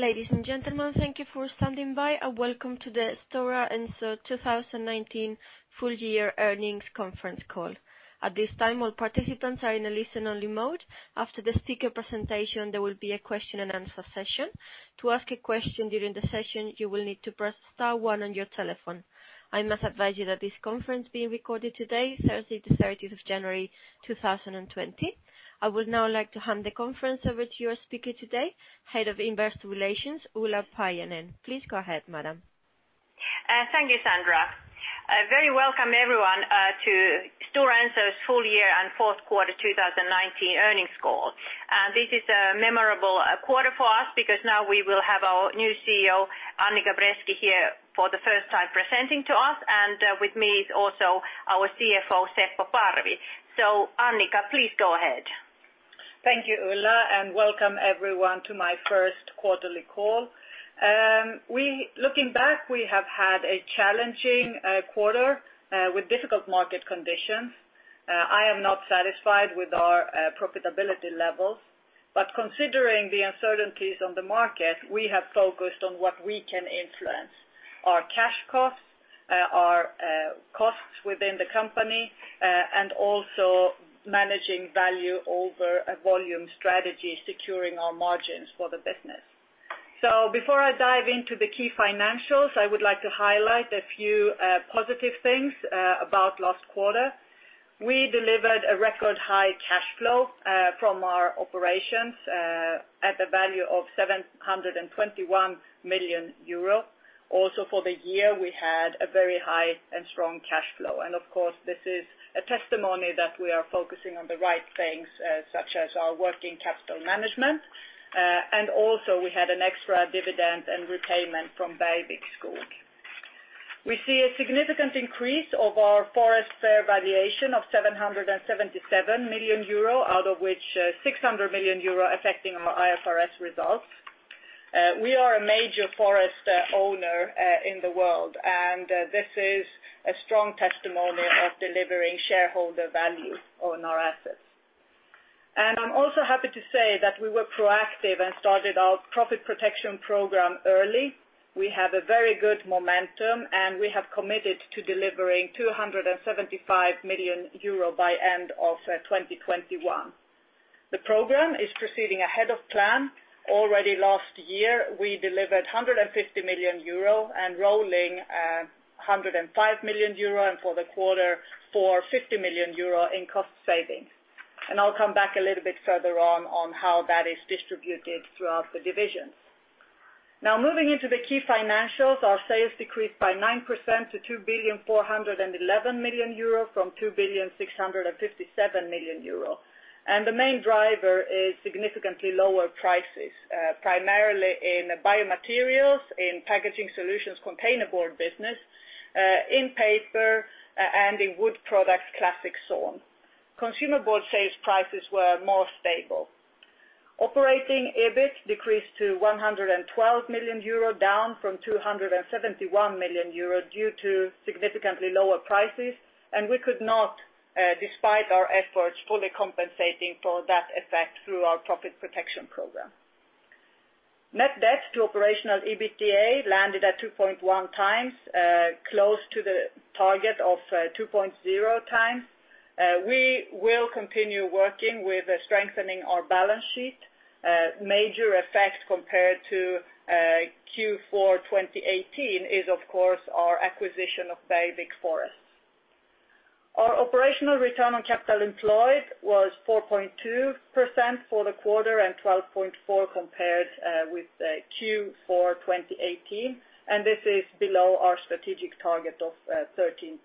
Ladies and gentlemen, thank you for standing by, and welcome to the Stora Enso 2019 full year earnings conference call. At this time, all participants are in a listen-only mode. After the speaker presentation, there will be a question-and-answer session. To ask a question during the session, you will need to press star one on your telephone. I must advise you that this conference is being recorded today, Thursday the 30th of January, 2020. I would now like to hand the conference over to your speaker today, Head of Investor Relations, Ulla Paajanen. Please go ahead, madam. Thank you, Sandra. A very welcome, everyone, to Stora Enso's full year and fourth quarter 2019 earnings call. This is a memorable quarter for us because now we will have our new CEO, Annica Bresky, here for the first time presenting to us, and with me is also our CFO, Seppo Parvi. Annica, please go ahead. Thank you, Ulla, and welcome everyone to my first quarterly call. Looking back, we have had a challenging quarter with difficult market conditions. I am not satisfied with our profitability levels, but considering the uncertainties on the market, we have focused on what we can influence. Our cash costs, our costs within the company, and also managing value over a volume strategy securing our margins for the business. Before I dive into the key financials, I would like to highlight a few positive things about last quarter. We delivered a record high cash flow from our operations at the value of 721 million euro. Also, for the year, we had a very high and strong cash flow and of course, this is a testimony that we are focusing on the right things, such as our working capital management And also we had an extra dividend and repayment from Bergvik Skog. We see a significant increase of our forest fair valuation of 777 million euro, out of which 600 million euro affecting our IFRS results. We are a major forest owner in the world, and this is a strong testimony of delivering shareholder value on our assets. I'm also happy to say that we were proactive and profit protection program early. we have a very good momentum, and we have committed to delivering 275 million euro by end of 2021. The program is proceeding ahead of plan. Already last year, we delivered 150 million euro and rolling 105 million euro, for the quarter, 450 million euro in cost savings. I'll come back a little bit further on on how that is distributed throughout the divisions. Now moving into the key financials. Our sales decreased by 9% to 2.411 billion from 2.657 billion and the main driver is significantly lower prices, primarily in Biomaterials, in Packaging Solutions containerboard business, in Paper, and in Wood Products Classic Consumer Board sales prices were more stable. Operating EBIT decreased to 112 million euro, down from 271 million euro due to significantly lower prices. We could not, despite our efforts, fully compensating for that effect profit protection program. net debt to operational EBITDA landed at 2.1 times, close to the target of 2.0 times. We will continue working with strengthening our balance sheet. Major effects compared to Q4 2018 is, of course, our acquisition of Bergvik Skog. Our operational return on capital employed was 4.2% for the quarter and 12.4% compared with Q4 2018, this is below our strategic target of 13%.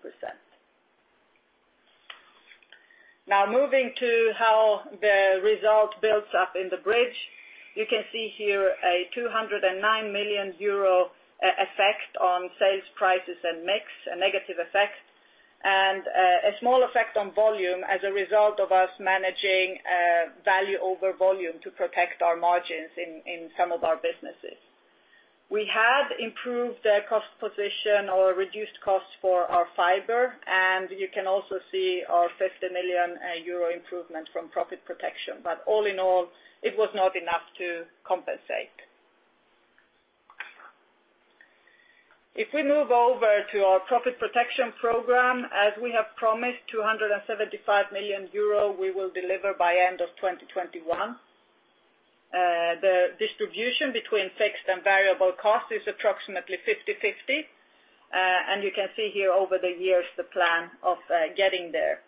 Moving to how the result builds up in the bridge. You can see here a 209 million euro effect on sales prices and mix, a negative effect. A small effect on volume as a result of us managing value over volume to protect our margins in some of our businesses. We have improved the cost position or reduced costs for our fiber, and you can also see our 50 million euro improvement from profit protection. All in all, it was not enough to compensate. If we move over profit protection program, as we have promised, 275 million euro we will deliver by end of 2021. The distribution between fixed and variable costs is approximately 50/50. You can see here over the years the plan of getting there.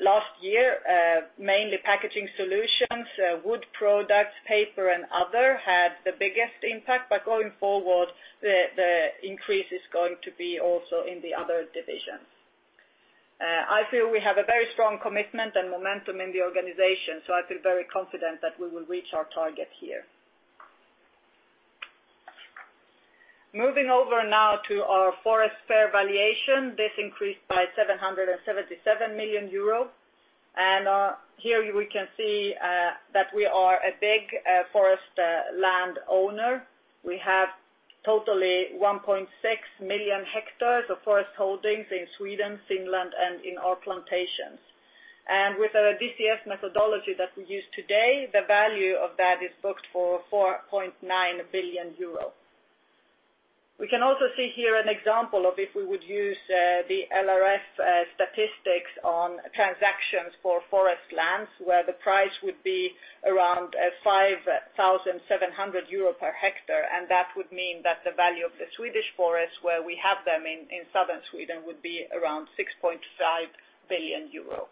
Last year, mainly Packaging Solutions, Wood Products, Paper, and Other had the biggest impact. Going forward, the increase is going to be also in the Other divisions. I feel we have a very strong commitment and momentum in the organization. I feel very confident that we will reach our target here. Moving over now to our forest fair valuation, this increased by 777 million euro. Here we can see that we are a big forest land owner. We have totally 1.6 million hectares of forest holdings in Sweden, Finland, and in our plantations. With our DCF methodology that we use today, the value of that is booked for 4.9 billion euro. We can also see here an example of if we would use the LRF statistics on transactions for forest lands, where the price would be around 5,700 euro per hectare, and that would mean that the value of the Swedish forest where we have them in Southern Sweden would be around 6.5 billion euro.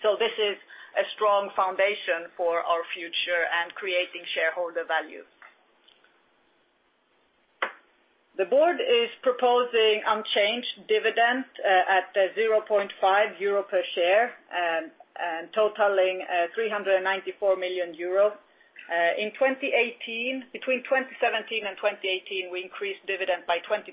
This is a strong foundation for our future and creating shareholder value. The Board is proposing unchanged dividend at 0.5 euro per share, and totaling 394 million euro. Between 2017 and 2018, we increased dividend by 22%,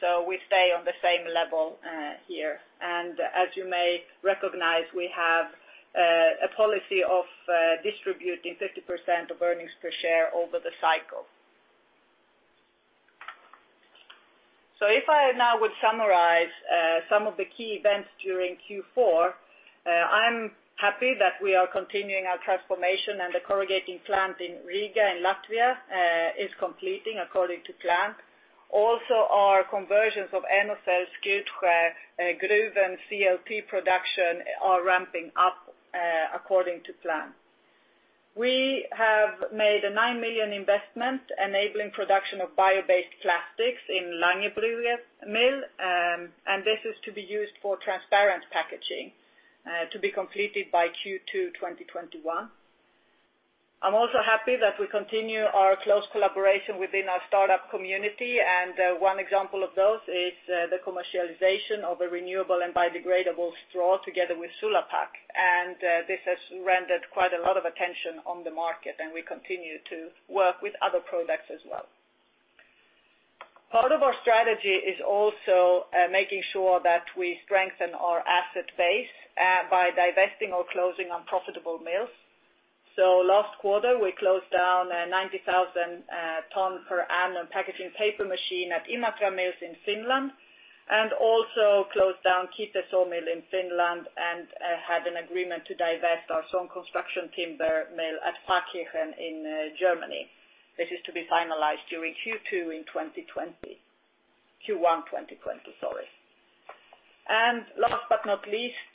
so we stay on the same level here and as you may recognize, we have a policy of distributing 50% of earnings per share over the cycle. If I now would summarize some of the key events during Q4, I'm happy that we are continuing our transformation and the corrugating plant in Riga, in Latvia is completing according to plan. Also, our conversions of Ännesjö, Skutskär, Gruvön CLT production are ramping up, according to plan. We have made a $9 million investment enabling production of bio-based plastics in Langerbrugge Mill, and this is to be used for transparent packaging, to be completed by Q2 2021. I'm also happy that we continue our close collaboration within our startup community, and one example of those is the commercialization of a renewable and biodegradable straw together with Sulapac. This has rendered quite a lot of attention on the market, and we continue to work with Other products as well. Part of our strategy is also making sure that we strengthen our asset base by divesting or closing unprofitable mills. Last quarter, we closed down a 90,000 ton per annum packaging paper machine at Imatra Mills in Finland, and also closed down Kitee Sawmill in Finland, and had an agreement to divest our saw and construction timber mill at Pfarrkirchen in Germany. This is to be finalized during Q2 2020. Q1 2020, sorry. Last but not least,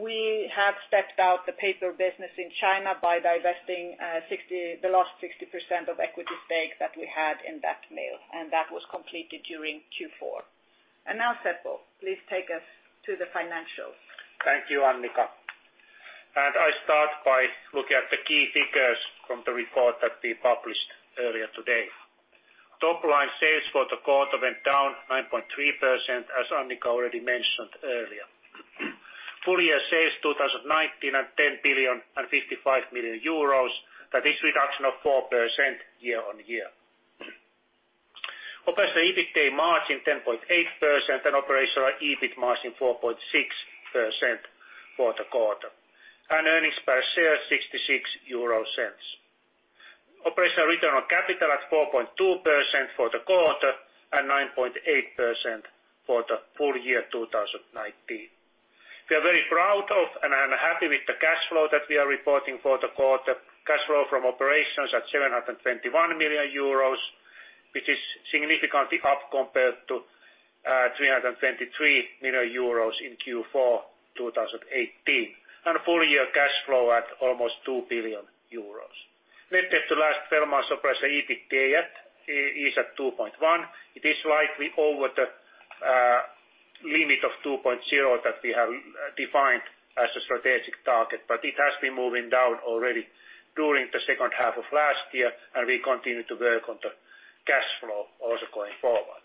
we have stepped out the Paper business in China by divesting the last 60% of equity stake that we had in that mill, and that was completed during Q4 and now, Seppo, please take us to the financials. Thank you, Annica. I start by looking at the key figures from the report that we published earlier today. Top-line sales for the quarter went down 9.3%, as Annica already mentioned earlier. Full year sales 2019 at 10,055,000,000 euros. That is reduction of 4% year-on-year. Operating EBITDA margin 10.8% and operational EBIT margin 4.6% for the quarter, and earnings per share 0.66. Operational return on capital at 4.2% for the quarter, and 9.8% for the full year 2019. We are very proud of, and I'm happy with the cash flow that we are reporting for the quarter. Cash flow from operations at 721 million euros, which is significantly up compared to 323 million euros in Q4 2018, and full year cash flow at almost 2 billion euros. Net debt to last 12 months operational EBITDA is at 2.1. It is slightly over the limit of 2.0 that we have defined as a strategic target, but it has been moving down already during the second half of last year, and we continue to work on the cash flow also going forward.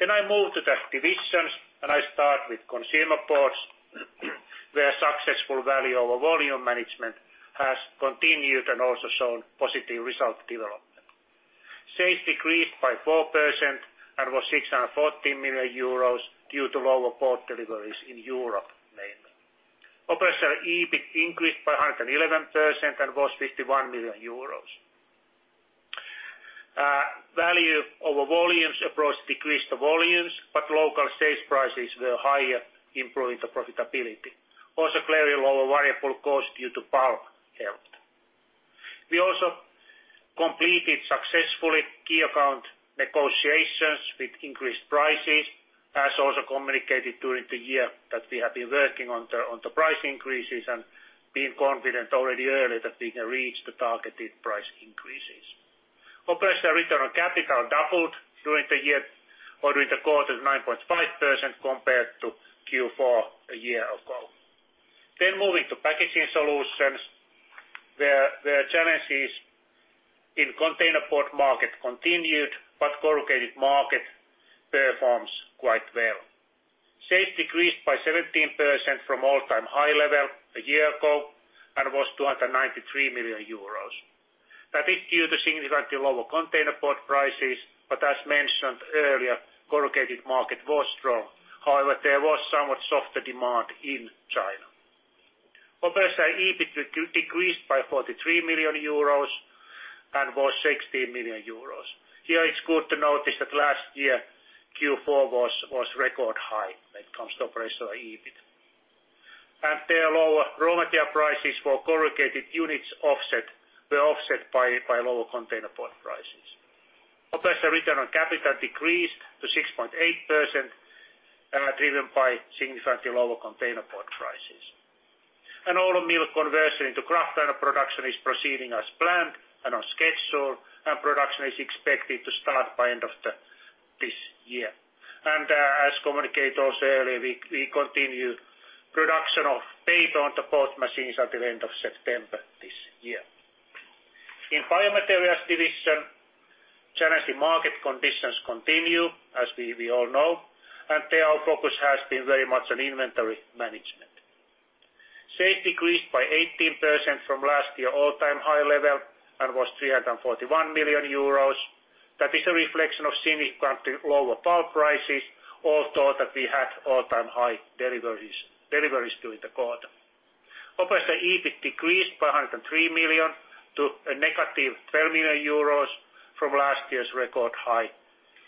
I move to the divisions, and I start with Consumer Board, where successful value over volume management has continued and also shown positive result development. Sales decreased by 4% and was 614 million euros due to lower board deliveries in Europe, mainly. Operational EBIT increased by 111% and was 51 million euros. Value over volumes approached decreased volumes, but local sales prices were higher, improving the profitability. Also, clearly lower variable cost due to pulp helped. We also completed successfully key account negotiations with increased prices, as also communicated during the year that we have been working on the price increases and being confident already early that we can reach the targeted price increases. Operational return on capital doubled during the year or during the quarter to 9.5% compared to Q4 a year ago. Then moving to Packaging Solutions, where challenges in containerboard market continued, but corrugated market performs quite well. Sales decreased by 17% from all-time high level a year ago and was 293 million euros. That is due to significantly lower containerboard prices, but as mentioned earlier, corrugated market was strong. However, there was somewhat softer demand in China. Operational EBIT decreased by 43 million euros and was 16 million euros. Here, it's good to notice that last year, Q4 was record high when it comes to operational EBIT. There, lower raw material prices for corrugated units were offset by lower containerboard prices. Operational return on capital decreased to 6.8%, and are driven by significantly lower containerboard prices. Oulu Mill conversion into kraftliner production is proceeding as planned and on schedule, and production is expected to start by end of this year. As communicated also earlier, we continue production of Paper on the board machines until end of September this year. In Biomaterials division, challenging market conditions continue, as we all know, and there our focus has been very much on inventory management. Sales decreased by 18% from last year all-time high level and was 341 million euros. That is a reflection of significantly lower pulp prices, although that we had all-time high deliveries during the quarter. Operational EBIT decreased by 103 million to -12 million euros from last year's record high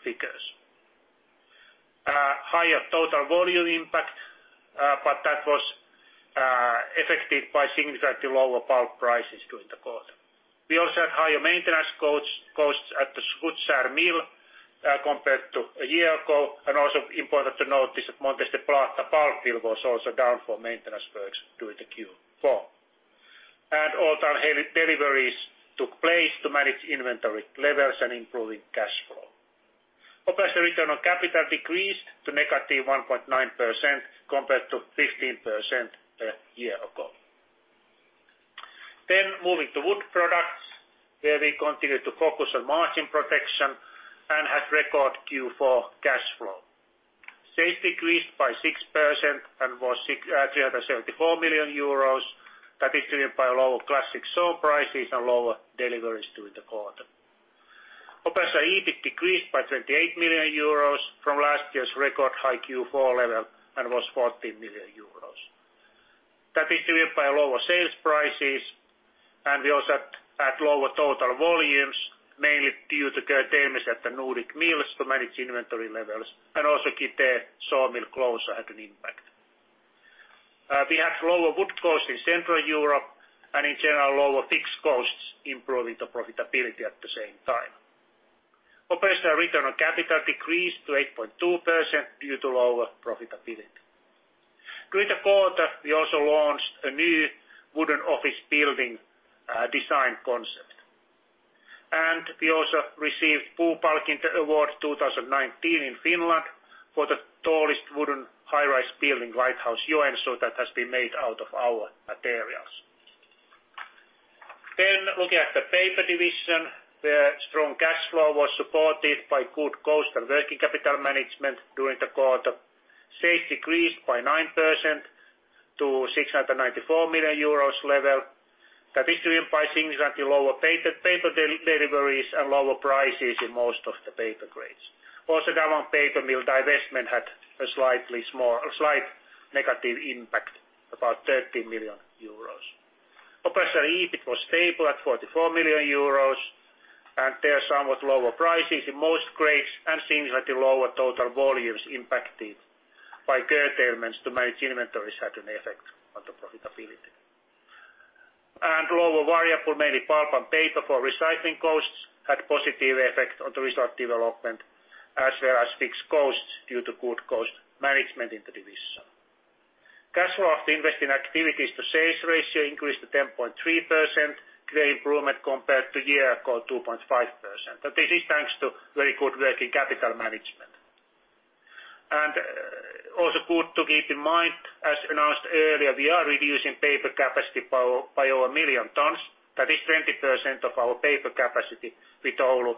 figures. Higher total volume impact, but that was affected by significantly lower pulp prices during the quarter. We also had higher maintenance costs at the Skutskär Mill compared to a year ago, and also important to note is that Montes del Plata Mill was also down for maintenance works during the Q4. All-time deliveries took place to manage inventory levels and improving cash flow. Operational return on capital decreased to -1.9%, compared to 15% a year ago. Moving to Wood Products, where we continued to focus on margin protection and had record Q4 cash flow. Sales decreased by 6% and was 374 million euros. That is driven by lower Classic Sawn prices and lower deliveries during the quarter. Operational EBIT decreased by 28 million euros from last year's record high Q4 level and was 14 million euros. That is driven by lower sales prices, and we also had lower total volumes, mainly due to curtailments at the Nordic mills to manage inventory levels, and also Kitee Sawmill closure had an impact. We had lower wood costs in Central Europe, and in general, lower fixed costs, improving the profitability at the same time. Operational return on capital decreased to 8.2% due to lower profitability. During the quarter, we also launched a new wooden office building design concept. We also received Wood Award 2019 in Finland for the tallest wooden high-rise building, Lighthouse Joensuu, that has been made out of our materials. Looking at the Paper division, where strong cash flow was supported by good cost and working capital management during the quarter. Sales decreased by 9% to 694 million euros level. That is driven by significantly lower Paper deliveries and lower prices in most of the Paper grades. Also, Kvarnsveden Paper Mill divestment had a slight negative impact, about 30 million euros. Operational EBIT was stable at 44 million euros and there, somewhat lower prices in most grades and significantly lower total volumes impacted by curtailments to manage inventories had an effect on the profitability. Lower variable, mainly pulp and paper for recycling costs, had positive effect on the result development, as well as fixed costs due to good cost management in the division. Cash flow of investing activities to sales ratio increased to 10.3%, great improvement compared to year ago, 2.5% but this is thanks to very good working capital management. Also good to keep in mind, as announced earlier, we are reducing paper capacity by over a million tons. That is 20% of our paper capacity with the Oulu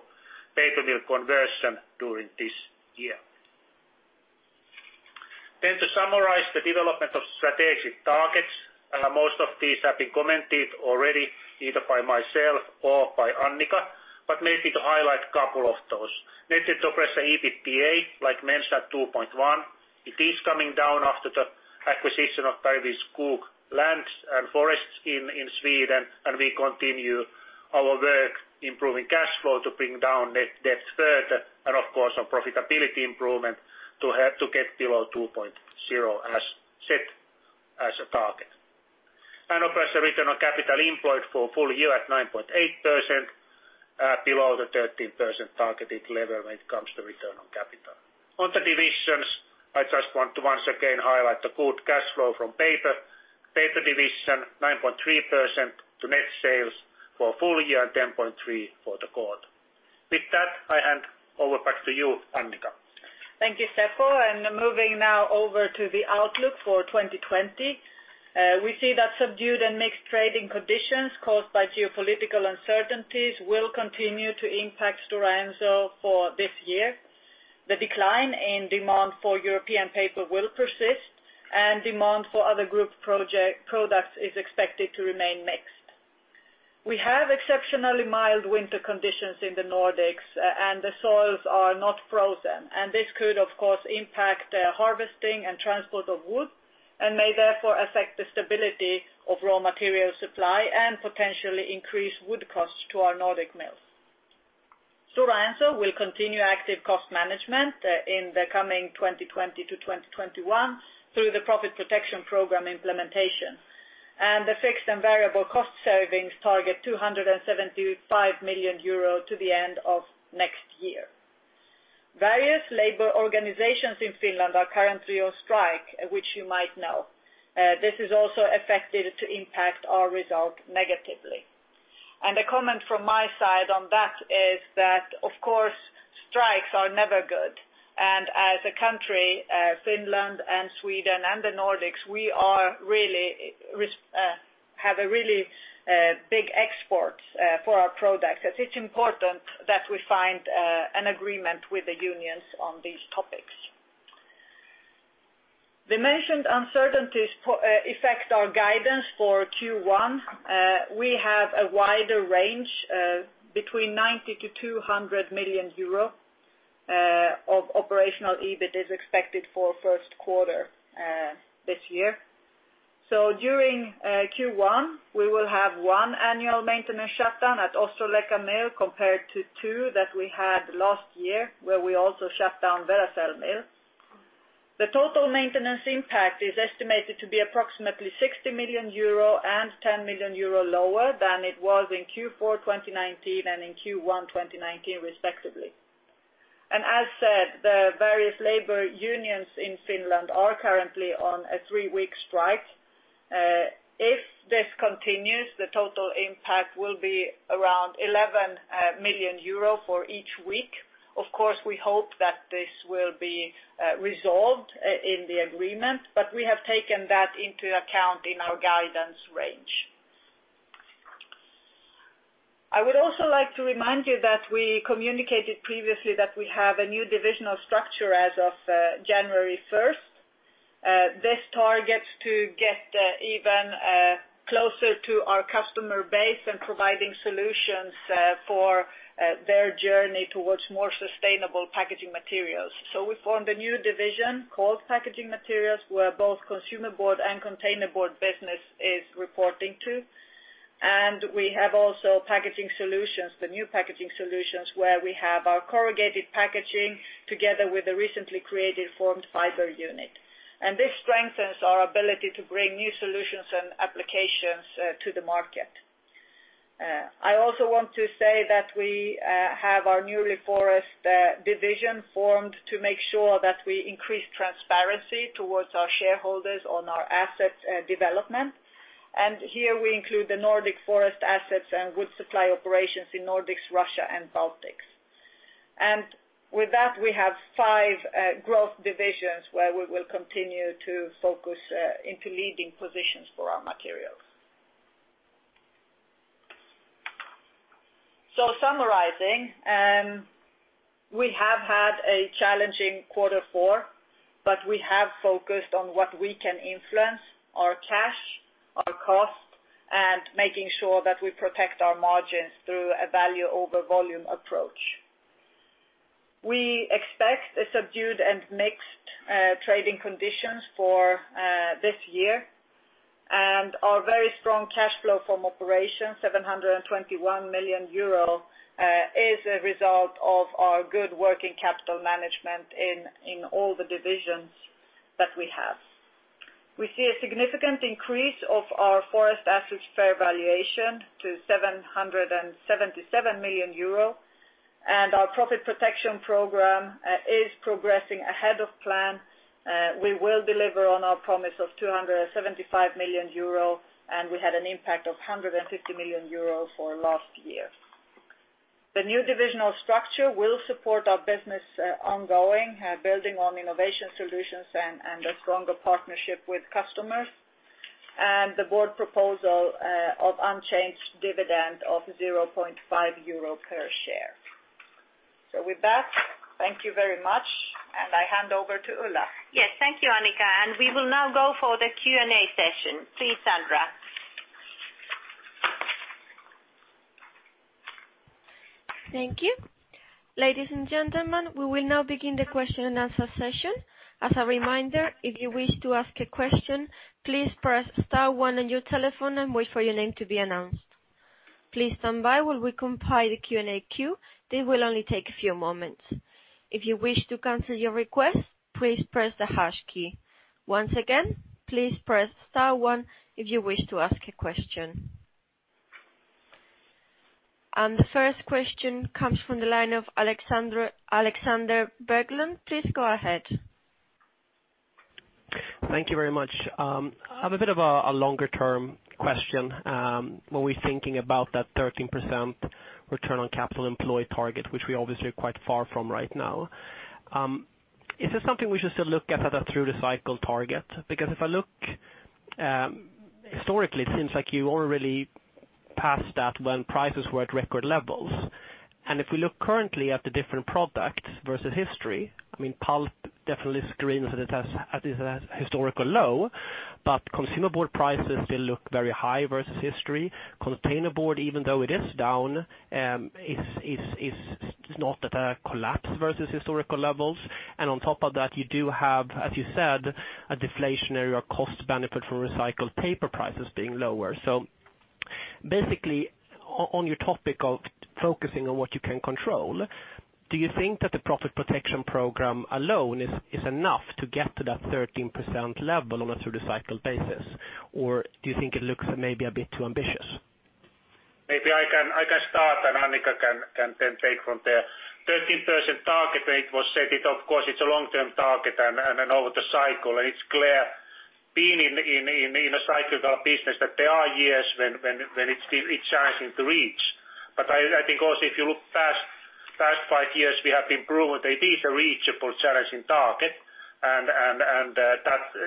Paper Mill conversion during this year. Then to summarize the development of strategic targets. Most of these have been commented already, either by myself or by Annica, but maybe to highlight a couple of those. Net interest-bearing EBITDA, like I mentioned 2.1. It is coming down after the acquisition of Bergvik Skog lands and forests in Sweden, and we continue our work improving cash flow to bring down net debt further, and of course, on profitability improvement to get below 2.0 as set as a target. Operational return on capital employed for full year at 9.8%, below the 13% targeted level when it comes to return on capital. On the divisions, I just want to once again highlight the good cash flow from Paper. Paper division, 9.3% to net sales for full year, 10.3% for the quarter. With that, I hand over back to you, Annica. Thank you, Seppo. Moving now over to the outlook for 2020. We see that subdued and mixed trading conditions caused by geopolitical uncertainties will continue to impact Stora Enso for this year. The decline in demand for European Paper will persist, and demand for Other group products is expected to remain mixed. We have exceptionally mild winter conditions in the Nordics and the soils are not frozen. This could, of course, impact harvesting and transport of wood, and may therefore affect the stability of raw material supply and potentially increase wood costs to our Nordic mills. Stora Enso will continue active cost management in the coming 2020-2021 the profit protection program implementation. The fixed and variable cost savings target 275 million euro to the end of next year. Various labor organizations in Finland are currently on strike, which you might know. This is also affected to impact our result negatively. A comment from my side on that is that, of course, strikes are never good. As a country, Finland and Sweden and the Nordics, we have a really big exports for our products. It's important that we find an agreement with the unions on these topics. The mentioned uncertainties affect our guidance for Q1. We have a wider range of between 90 million-200 million euro of operational EBIT is expected for first quarter this year. During Q1, we will have one annual maintenance shutdown at Ostrołęka Mill, compared to two that we had last year, where we also shut down Veracel Mill. The total maintenance impact is estimated to be approximately 60 million euro and 10 million euro lower than it was in Q4 2019 and in Q1 2019, respectively and as said, the various labor unions in Finland are currently on a three-week strike. If this continues, the total impact will be around 11 million euro for each week. Of course, we hope that this will be resolved in the agreement, but we have taken that into account in our guidance range. I would also like to remind you that we communicated previously that we have a new divisional structure as of January 1st. This targets to get even closer to our customer base in providing solutions for their journey towards more sustainable packaging materials. We formed a new division called Packaging Materials, where both Consumer Board and containerboard business is reporting to. We have also Packaging Solutions, the new Packaging Solutions, where we have our corrugated packaging together with the recently created formed fiber unit and this strengthens our ability to bring new solutions and applications to the market. I also want to say that we have our newly forest division formed to make sure that we increase transparency towards our shareholders on our assets development. Here we include the Nordic Forest assets and wood supply operations in Nordics, Russia, and Baltics. With that, we have five growth divisions where we will continue to focus into leading positions for our materials. So summarizing, we have had a challenging quarter four, but we have focused on what we can influence, our cash, our cost, and making sure that we protect our margins through a value over volume approach. We expect a subdued and mixed trading conditions for this year, and our very strong cash flow from operations, 721 million euro, is a result of our good working capital management in all the divisions that we have. We see a significant increase of our forest assets fair valuation to 777 million euro, profit protection program is progressing ahead of plan. We will deliver on our promise of 275 million euro, and we had an impact of 150 million euro for last year. The new divisional structure will support our business ongoing, building on innovation solutions and a stronger partnership with customers, and the Board proposal of unchanged dividend of 0.5 euro per share. With that, thank you very much. I hand over to Ulla. Yes. Thank you, Annica. We will now go for the Q&A session. Please, Ulla. Thank you. Ladies and gentlemen, we will now begin the question-and-answer session. As a reminder, if you wish to ask a question, please press star one on your telephone and wait for your name to be announced. Please stand by while we compile the Q&A queue. This will only take a few moments. If you wish to cancel your request, please press the hash key. Once again, please press star one if you wish to ask a question. The first question comes from the line of Alexander Berglund. Please go ahead. Thank you very much. I have a bit of a longer term question. When we're thinking about that 13% return on capital employed target, which we obviously are quite far from right now, is this something we should still look at as a through the cycle target? If I look historically, it seems like you already passed that when prices were at record levels. If we look currently at the different products versus history, pulp definitely screens at a historical low, but Consumer Board prices still look very high versus history. Containerboard, even though it is down, is not at a collapse versus historical levels. On top of that, you do have, as you said, a deflationary or cost benefit from recycled paper prices being lower. Basically, on your topic of focusing on what you can control, do you think profit protection program alone is enough to get to that 13% level on a through the cycle basis, or do you think it looks maybe a bit too ambitious? Maybe I can start, Annica can then take from there. 13% target rate was set. Of course, it's a long-term target and over the cycle, and it's clear being in a cyclical business that there are years when it's challenging to reach. I think also if you look past five years, we have been proven that it is a reachable challenging target, and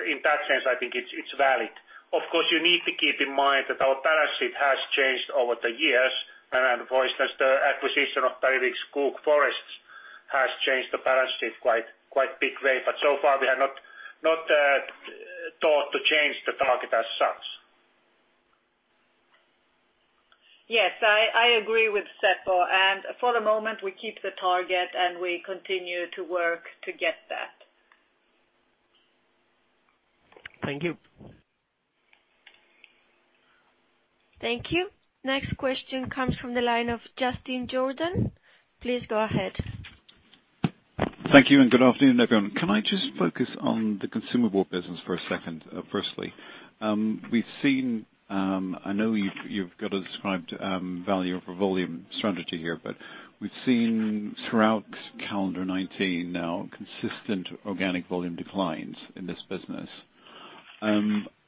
in that sense, I think it's valid. Of course, you need to keep in mind that our balance sheet has changed over the years. For instance, the acquisition of Bergvik Skog forests has changed the balance sheet quite big way, but so far we have not thought to change the target as such. Yes, I agree with Seppo, and for the moment we keep the target and we continue to work to get that. Thank you. Thank you. Next question comes from the line of Justin Jordan. Please go ahead. Thank you and good afternoon, everyone. Can I just focus on the Consumer Board business for a second, firstly. I know you've got a described value over volume strategy here, but we've seen throughout calendar 2019 now consistent organic volume declines in this business.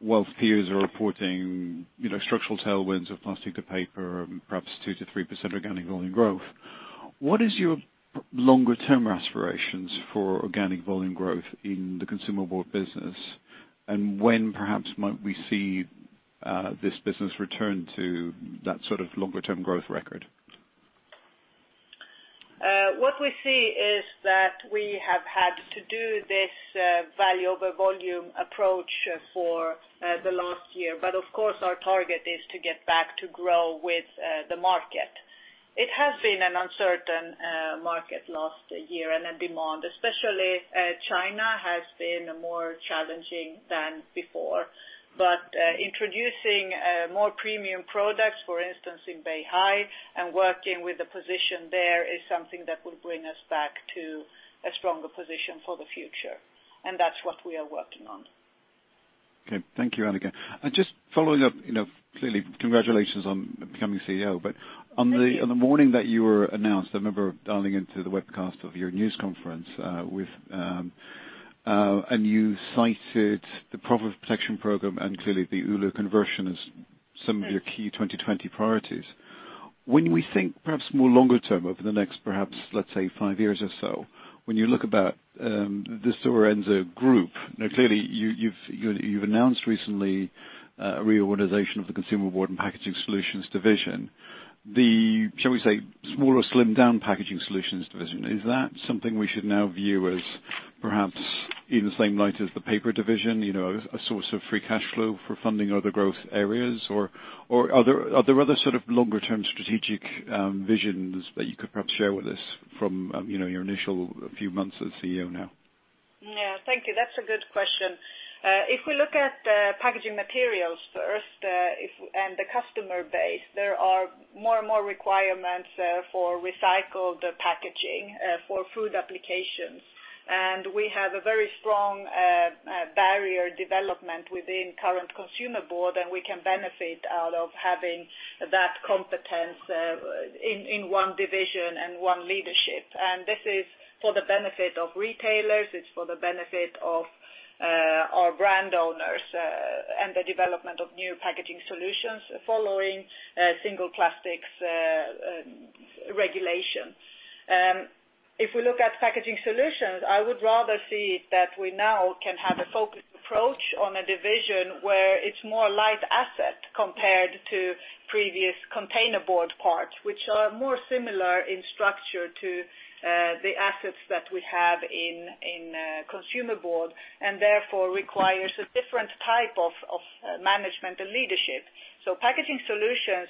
Whilst peers are reporting structural tailwinds of plastic to paper, perhaps 2%-3% organic volume growth. What is your longer-term aspirations for organic volume growth in the Consumer Board business, and when perhaps might we see this business return to that sort of longer-term growth record? What we see is that we have had to do this value over volume approach for the last year. Of course, our target is to get back to grow with the market. It has been an uncertain market last year, and a demand, especially China, has been more challenging than before. Introducing more premium products, for instance, in Beihai and working with the position there is something that will bring us back to a stronger position for the future, and that's what we are working on. Okay. Thank you, Annica. Just following up, clearly congratulations on becoming CEO. Thank you. On the morning that you were announced, I remember dialing into the webcast of your news conference, and you profit protection program and clearly the Oulu conversion as some of your key 2020 priorities. When we think perhaps more longer term over the next, perhaps let's say five years or so, when you look about the Stora Enso group, now clearly you've announced recently a reorganization of the Consumer Board and Packaging Solutions division. The, shall we say, smaller slimmed-down Packaging Solutions division, is that something we should now view as perhaps in the same light as the Paper division, a source of free cash flow for funding Other growth areas? Are there Other sort of longer-term strategic visions that you could perhaps share with us from your initial few months as CEO now? Yeah. Thank you. That's a good question. If we look at the Packaging Materials first, and the customer base, there are more and more requirements for recycled packaging for food applications and we have a very strong barrier development within current Consumer Board, and we can benefit out of having that competence in one division and one leadership and this is for the benefit of retailers. It's for the benefit of our brand owners, and the development of new Packaging Solutions following single plastics regulation. If we look at Packaging Solutions, I would rather see that we now can have a focused approach on a division where it's more light asset compared to previous containerboard parts which are more similar in structure to the assets that we have in Consumer Board, and therefore requires a different type of management and leadership. Packaging Solutions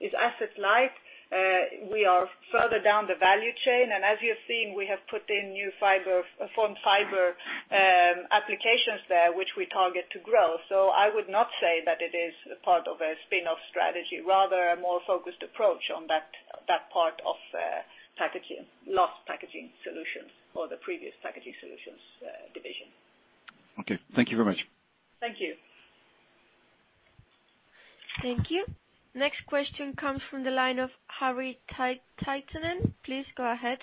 is asset light. We are further down the value chain, and as you have seen, we have put in new formed fiber applications there, which we target to grow. I would not say that it is part of a spin-off strategy, rather a more focused approach on that part of last Packaging Solutions or the previous Packaging Solutions division. Okay. Thank you very much. Thank you. Thank you. Next question comes from the line of Harri Taittonen. Please go ahead.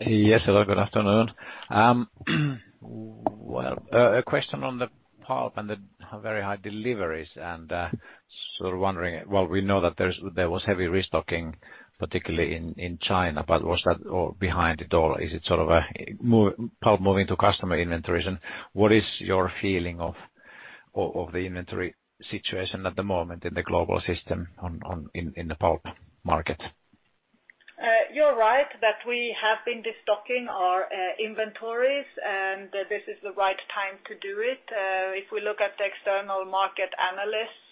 Yes, hello. Good afternoon. A question on the pulp and the very high deliveries, and sort of wondering, we know that there was heavy restocking, particularly in China. Was that all behind it all? Is it sort of a pulp moving to customer inventories? What is your feeling of the inventory situation at the moment in the global system in the pulp market? You're right that we have been destocking our inventories, and this is the right time to do it. If we look at the external market analysts,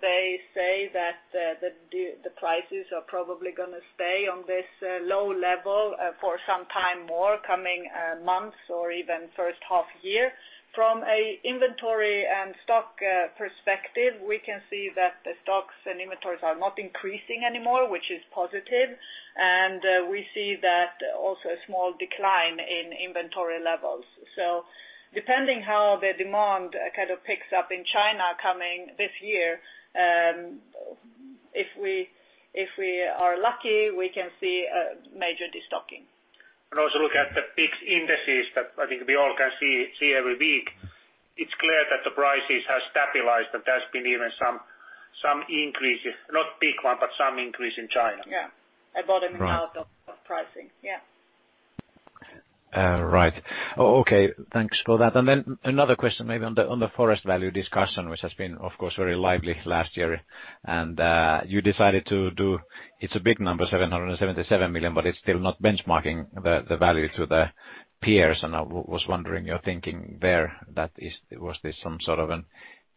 they say that the prices are probably going to stay on this low level for some time, more coming months or even first half-year. From an inventory and stock perspective, we can see that the stocks and inventories are not increasing anymore, which is positive and we see that also a small decline in inventory levels. Depending how the demand picks up in China coming this year, if we are lucky, we can see a major destocking. And also look at the big indices that I think we all can see every week, it's clear that the prices have stabilized, but there's been even some increase, not big one, but some increase in China. Yeah. At bottom and pulp pricing. Yeah. Right. Okay. Thanks for that. And then another question maybe on the forest value discussion, which has been, of course, very lively last year. You decided to do, it's a big number, 777 million, but it's still not benchmarking the value to the peers. I was wondering your thinking there, that was this some sort of an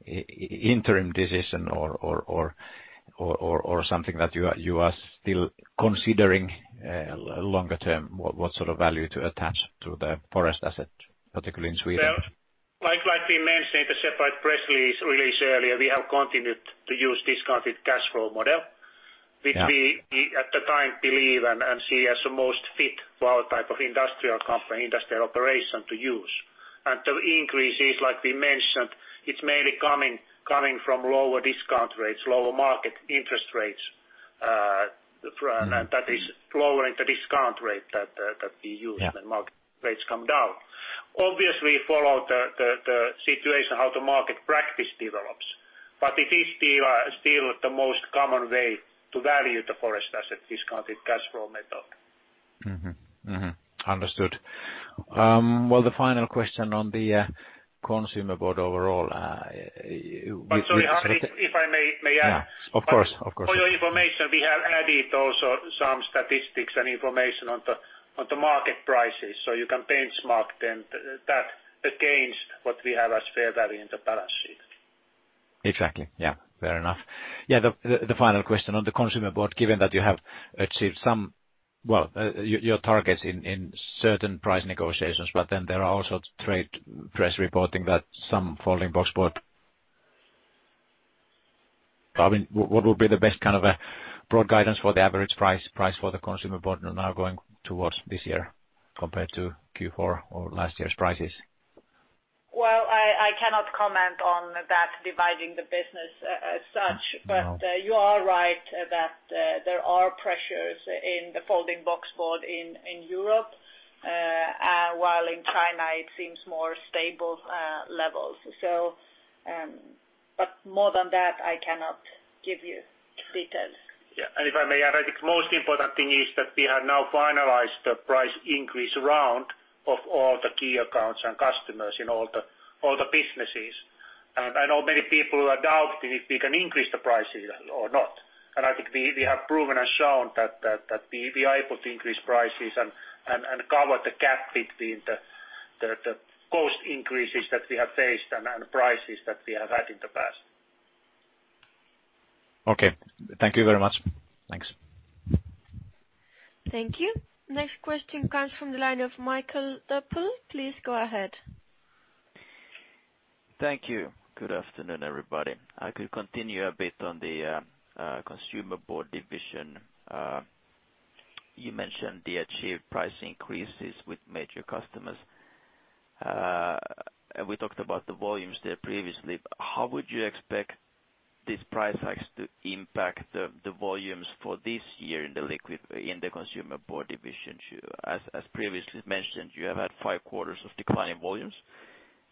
interim decision or something that you are still considering longer term, what sort of value to attach to the forest asset, particularly in Sweden? Like we mentioned in the separate press release earlier, we have continued to use discounted cash flow model, which we at the time believe and see as the most fit for our type of industrial operation to use. The increase is, like we mentioned, it's mainly coming from lower discount rates, lower market interest rates, and that is lowering the discount rate that we use- Yeah. ...when market rates come down. Obviously, we follow the situation, how the market practice develops, but it is still the most common way to value the forest asset, Discounted Cash Flow method. Understood. Well, the final question on the Consumer Board overall. Sorry, if I may add. Yeah. Of course. For your information, we have added also some statistics and information on the market prices, so you can benchmark them that against what we have as fair value in the balance sheet. Exactly. Yeah. Fair enough. The final question on the Consumer Board, given that you have achieved your targets in certain price negotiations, but then there are also trade press reporting that some folding boxboard, what would be the best kind of a broad guidance for the average price for the Consumer Board now going towards this year compared to Q4 or last year's prices? Well, I cannot comment on that dividing the business as such. No but you are right that there are pressures in the folding boxboard in Europe, while in China it seems more stable levels. More than that, I cannot give you details. Yeah. If I may add, I think most important thing is that we have now finalized the price increase round of all the key accounts and customers in all the businesses. I know many people who are doubting if we can increase the prices or not. I think we have proven and shown that we are able to increase prices and cover the gap between the cost increases that we have faced and prices that we have had in the past. Okay. Thank you very much. Thanks. Thank you. Next question comes from the line of Mikael Doepel. Please go ahead. Thank you. Good afternoon, everybody. I could continue a bit on the Consumer Board division. You mentioned the achieved price increases with major customers. We talked about the volumes there previously. How would you expect this price hikes to impact the volumes for this year in the Consumer Board division? As previously mentioned, you have had five quarters of declining volumes.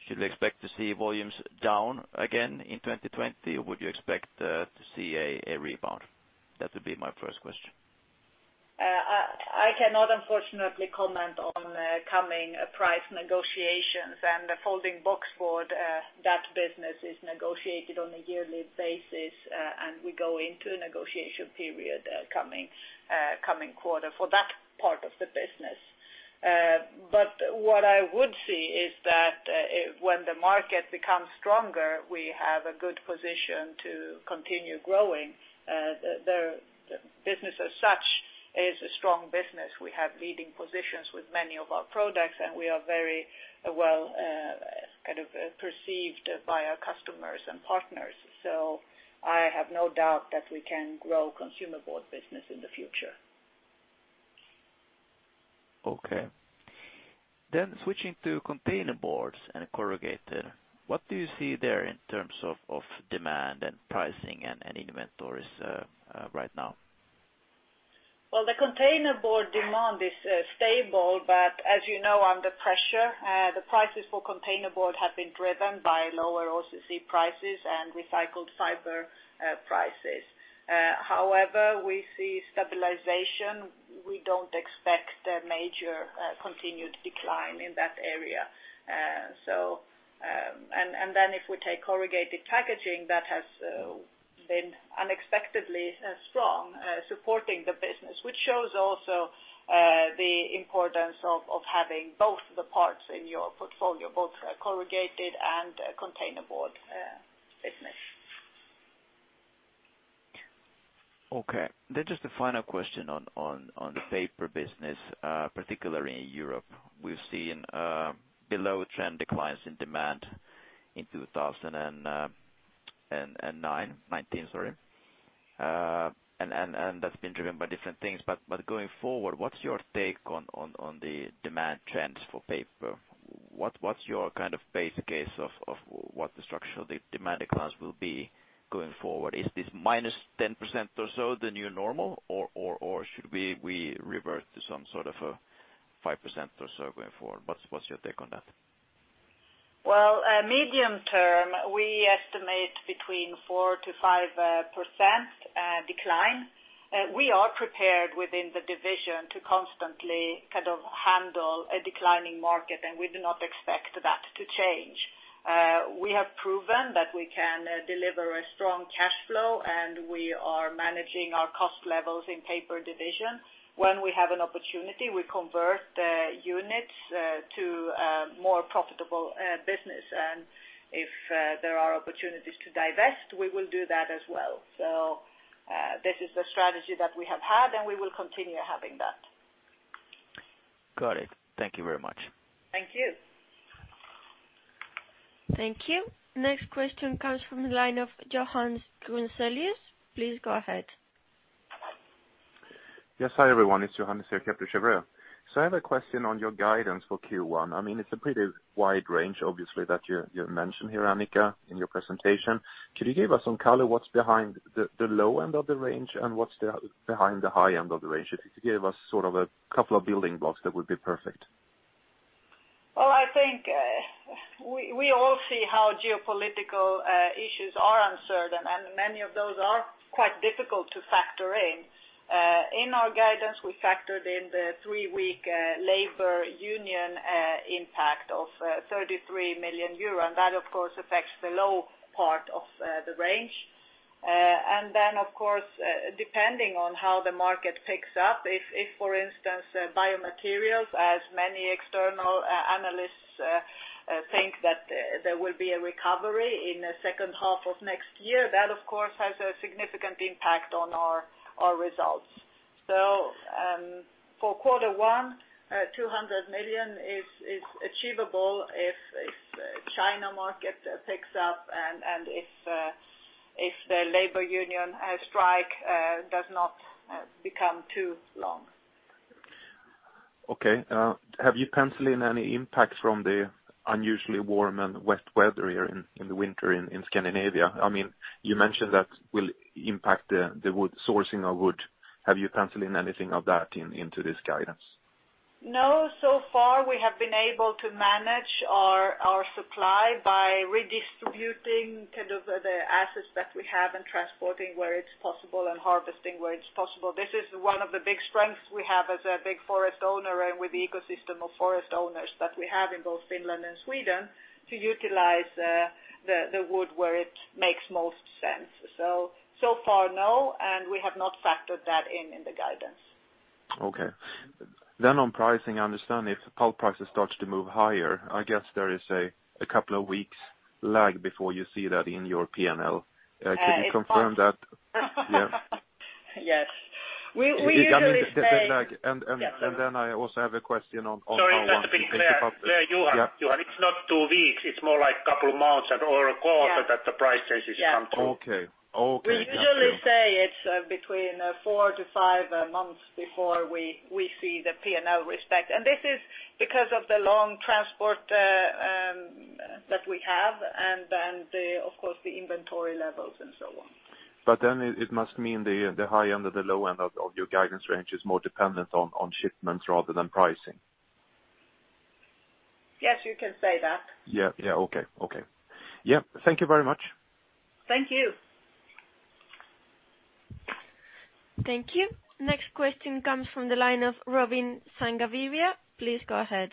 Should we expect to see volumes down again in 2020, or would you expect to see a rebound? That would be my first question. I cannot unfortunately comment on coming price negotiations and the folding boxboard, that business is negotiated on a yearly basis, and we go into a negotiation period coming quarter for that part of the business. What I would see is that when the market becomes stronger, we have a good position to continue growing. The business as such is a strong business. We have leading positions with many of our products, and we are very well perceived by our customers and partners, so I have no doubt that we can grow Consumer Board business in the future. Okay. Then switching to containerboards and corrugated, what do you see there in terms of demand and pricing and inventories right now? Well, the containerboard demand is stable, but as you know, under pressure, the prices for containerboard have been driven by lower OCC prices and recycled fiber prices however we see stabilization. We don't expect a major continued decline in that area. And then if we take corrugated packaging, that has been unexpectedly strong supporting the business, which shows also the importance of having both the parts in your portfolio, both corrugated and containerboard business. Okay. Just a final question on the Paper business, particularly in Europe. We've seen below-trend declines in demand in 2019, and that's been driven by different things. Going forward, what's your take on the demand trends for Paper? What's your base case of what the structural demand declines will be going forward? Is this -10% or so the new normal, or should we revert to some sort of 5% or so going forward? What's your take on that? Well, medium term, we estimate between 4%-5% decline. We are prepared within the division to constantly handle a declining market, and we do not expect that to change. We have proven that we can deliver a strong cash flow, and we are managing our cost levels in Paper division. When we have an opportunity, we convert the units to more profitable business. If there are opportunities to divest, we will do that as well. This is the strategy that we have had, and we will continue having that. Got it. Thank you very much. Thank you. Thank you. Next question comes from the line of Johannes Grunselius. Please go ahead. Yes, hi, everyone. It's Johannes here at Kepler Cheuvreux. So I have a question on your guidance for Q1. It's a pretty wide range, obviously, that you mentioned here, Annica, in your presentation. Could you give us some color what's behind the low end of the range and what's behind the high end of the range? If you could give us sort of a couple of building blocks, that would be perfect. Well, I think we all see how geopolitical issues are uncertain, and many of those are quite difficult to factor in. In our guidance, we factored in the three-week labor union impact of 33 million euro and that, of course, affects the low part of the range and then, of course, depending on how the market picks up, if for instance, Biomaterials, as many external analysts think that there will be a recovery in the second half of next year, that, of course, has a significant impact on our results. For quarter one, 200 million is achievable if China market picks up and if the labor union strike does not become too long. Okay. Have you penciled in any impact from the unusually warm and wet weather here in the winter in Scandinavia? You mentioned that will impact the sourcing of wood. Have you penciled in anything of that into this guidance? No. So far we have been able to manage our supply by redistributing the assets that we have and transporting where it's possible and harvesting where it's possible. This is one of the big strengths we have as a big forest owner and with the ecosystem of forest owners that we have in both Finland and Sweden to utilize the wood where it makes most sense. So far, no, and we have not factored that in in the guidance. Okay. Then on pricing, I understand if pulp prices starts to move higher, I guess there is a couple of weeks lag before you see that in your P&L. It's months. Could you confirm that? Yes. And then I have also have a question on- Sorry, just to be clear, Johannes. Yeah. It's not two weeks. It's more like couple of months or a quarter that the price changes come through. Okay. Yeah. We usually say it's between four to five months before we see the P&L respect and this is because of the long transport that we have and then, of course, the inventory levels and so on. But then it must mean the high end or the low end of your guidance range is more dependent on shipments rather than pricing. Yes, you can say that. Yeah. Okay. Thank you very much. Thank you. Thank you. Next question comes from the line of Robin Santavirta. Please go ahead.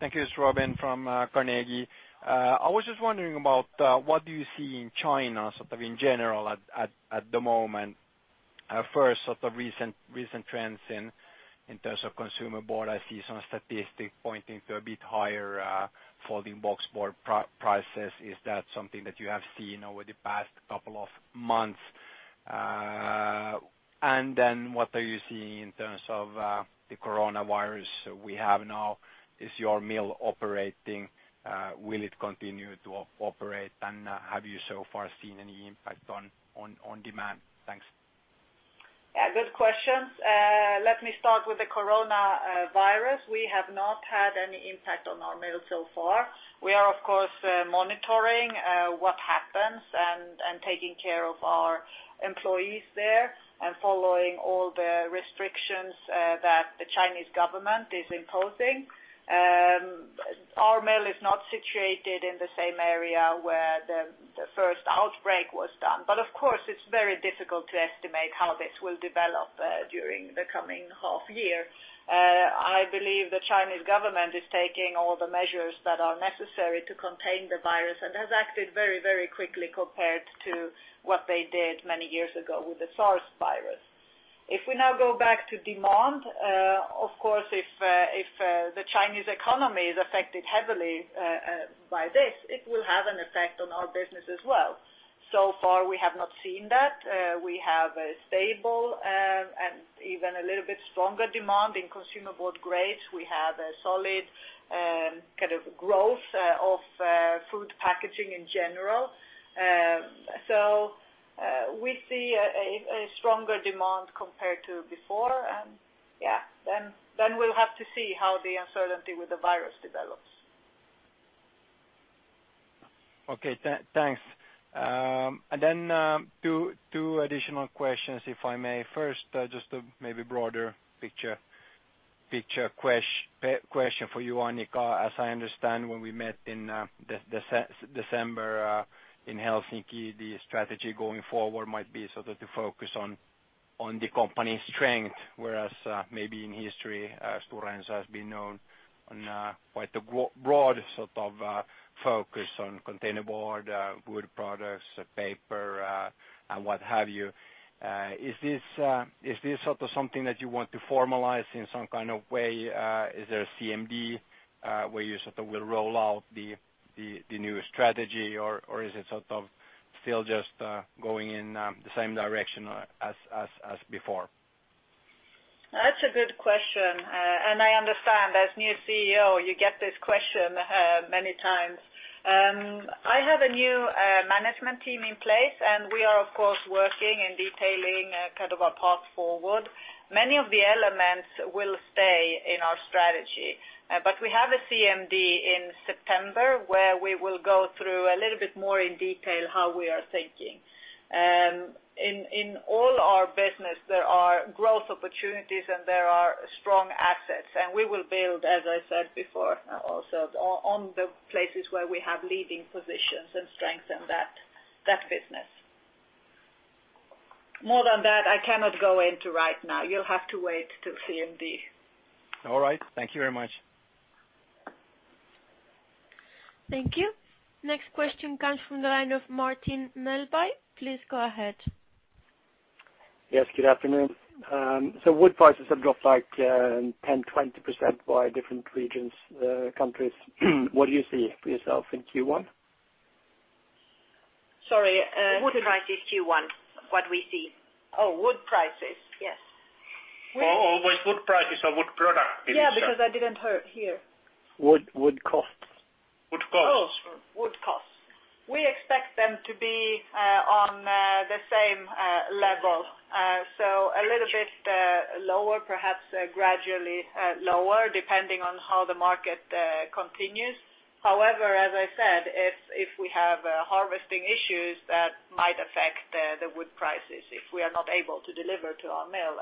Thank you. It's Robin from Carnegie. I was just wondering about, what do you see in China, sort of in general at the moment? First, sort of recent trends in terms of Consumer Board, I see some statistics pointing to a bit higher folding boxboard prices. Is that something that you have seen over the past couple of months and then what are you seeing in terms of the coronavirus we have now? Is your mill operating? Will it continue to operate? Have you so far seen any impact on demand? Thanks. Yeah. Good questions. Let me start with the coronavirus. We have not had any impact on our mill so far. We are, of course, monitoring what happens and taking care of our employees there and following all the restrictions that the Chinese government is imposing. Our mill is not situated in the same area where the first outbreak was done but of course, it's very difficult to estimate how this will develop during the coming half year. I believe the Chinese government is taking all the measures that are necessary to contain the virus and has acted very quickly compared to what they did many years ago with the SARS virus. If we now go back to demand, of course, if the Chinese economy is affected heavily by this, it will have an effect on our business as well. So far, we have not seen that. We have a stable and even a little bit stronger demand in Consumer Board grades. We have a solid growth of food packaging in general. We see a stronger demand compared to before. We'll have to see how the uncertainty with the coronavirus develops. Okay, thanks. Then two additional questions, if I may. First, just maybe broader picture question for you, Annica. As I understand when we met in December in Helsinki, the strategy going forward might be to focus on the company's strength, whereas maybe in history, Stora Enso has been known on quite a broad focus on containerboard, Wood Products, Paper, and what have you. Is this something that you want to formalize in some kind of way? Is there a CMD, where you will roll out the new strategy, or is it still just going in the same direction as before? That's a good question. I understand as new CEO, you get this question many times. I have a new management team in place, and we are, of course, working and detailing our path forward. Many of the elements will stay in our strategy but we have a CMD in September where we will go through a little bit more in detail how we are thinking. In all our business, there are growth opportunities and there are strong assets. We will build, as I said before also, on the places where we have leading positions and strengthen that business. More than that, I cannot go into right now. You'll have to wait till CMD. All right. Thank you very much. Thank you. Next question comes from the line of Martin Melbye. Please go ahead. Yes, good afternoon. Wood prices have dropped like 10, 20% by different regions, countries. What do you see for yourself in Q1? Sorry. Wood prices Q1, what we see. Oh, wood prices. Yes. Was wood prices or wood product, Martin? Yeah, because I didn't hear. Wood costs. Wood costs. No. Wood costs. We expect them to be on the same level. A little bit lower, perhaps gradually lower, depending on how the market continues. However, as I said, if we have harvesting issues, that might affect the wood prices if we are not able to deliver to our mill.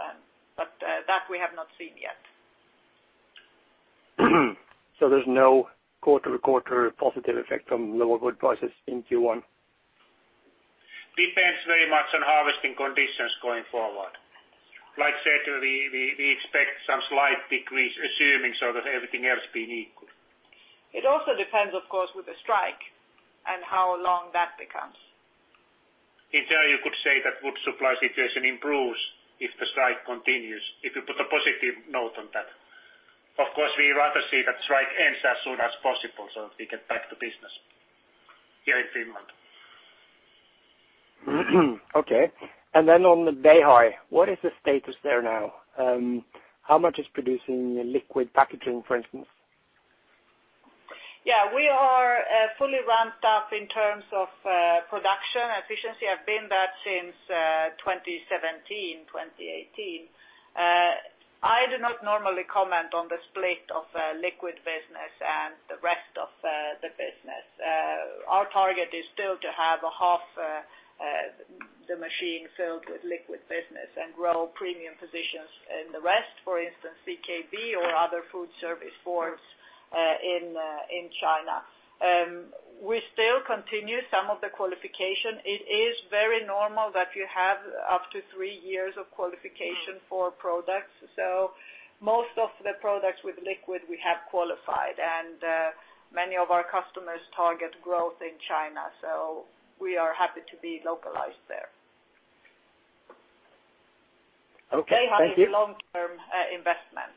That we have not seen yet. There's no quarter-to-quarter positive effect from lower wood prices in Q1? Depends very much on harvesting conditions going forward. Like said, we expect some slight decrease, assuming so that everything else being equal. It also depends, of course, with the strike and how long that becomes. In turn, you could say that wood supply situation improves if the strike continues, if you put a positive note on that. Of course, we rather see that strike ends as soon as possible so we get back to business here in Finland. Okay. Then on the Behai, what is the status there now? How much is producing liquid packaging, for instance? Yeah, We are fully ramped up in terms of production efficiency, have been that since 2017, 2018. I do not normally comment on the split of liquid business and the rest of the business. Our target is still to have a half the machine filled with liquid business and grow premium positions in the rest, for instance, FBB or Other food service boards in China. We still continue some of the qualification. It is very normal that you have up to three years of qualification for products. Most of the products with liquid we have qualified, and many of our customers target growth in China. We are happy to be localized there. Okay, thank you. Behai is a long-term investment.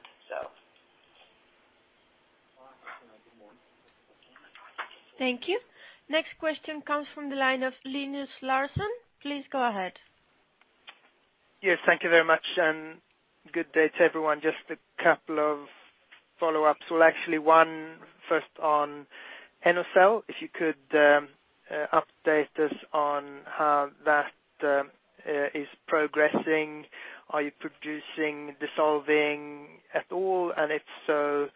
Thank you. Next question comes from the line of Linus Larsson. Please go ahead. Yes, thank you very much. Good day to everyone. Just a couple of follow-ups. Well, actually one first on Enocell, if you could update us on how that is progressing. Are you producing dissolving at all? If so,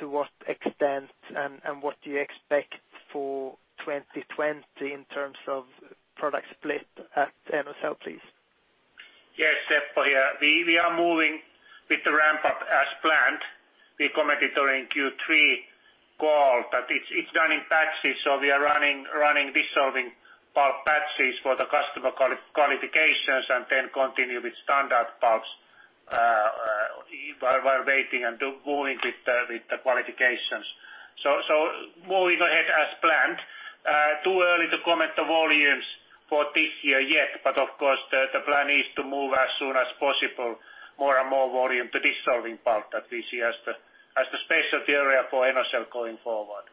to what extent, and what do you expect for 2020 in terms of product split at Enocell, please? Yes, Seppo here. We are moving with the ramp up as planned. We commented during Q3 call that it's done in batches, so we are running dissolving pulp batches for the customer qualifications and then continue with standard pulps while we're waiting and moving with the qualifications. Moving ahead as planned. Too early to comment the volumes for this year yet, of course, the plan is to move as soon as possible, more and more volume to dissolving pulp that we see as the specialty area for Enocell going forward.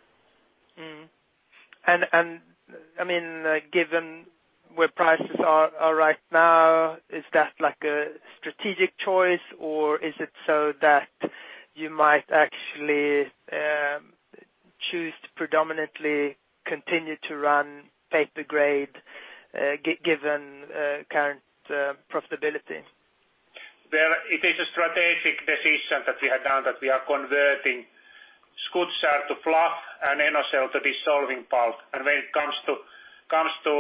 Given where prices are right now, is that a strategic choice or is it so that you might actually choose to predominantly continue to run Paper grade given current profitability? Well, it is a strategic decision that we have done that we are converting Skutskär to fluff and Enocell to dissolving pulp. When it comes to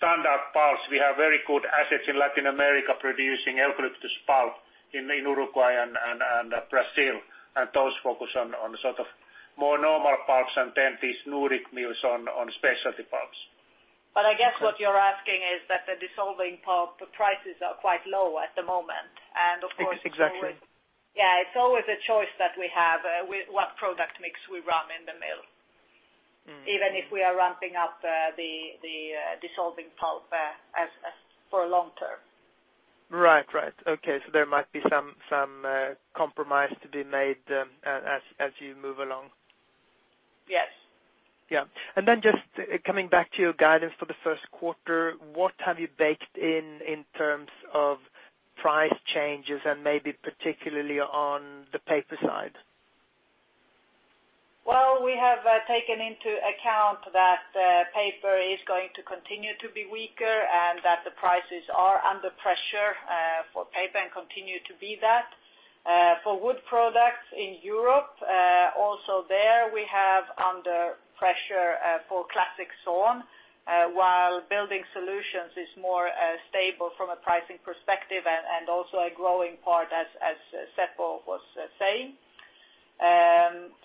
standard pulps, we have very good assets in Latin America producing eucalyptus pulp in Uruguay and Brazil and those focus on more normal pulps than these Nordic mills on specialty pulps. I guess what you're asking is that the dissolving pulp prices are quite low at the moment, and of course. Exactly. Yeah, it's always a choice that we have, what product mix we run in the mill. Even if we are ramping up the dissolving pulp for long term. Right. Okay. There might be some compromise to be made as you move along. Yes. Yeah. Then just coming back to your guidance for the first quarter, what have you baked in terms of price changes and maybe particularly on the Paper side? Well, we have taken into account that Paper is going to continue to be weaker, and that the prices are under pressure for Paper and continue to be that. For Wood Products in Europe, also there, we have under pressure for Classic Sawn, while Building Solutions is more stable from a pricing perspective and also a growing part as Seppo was saying.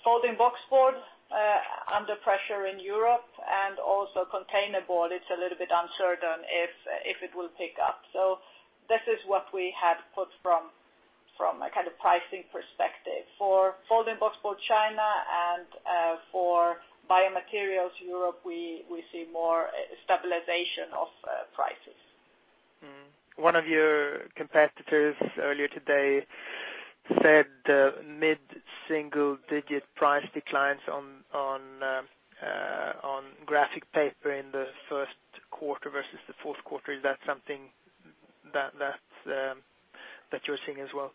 Folding boxboard, under pressure in Europe and also containerboard, it's a little bit uncertain if it will pick up. This is what we have put from a kind of pricing perspective. For folding boxboard China and for Biomaterials Europe, we see more stabilization of prices. One of your competitors earlier today said mid-single digit price declines on graphic paper in the first quarter versus the fourth quarter. Is that something that you're seeing as well?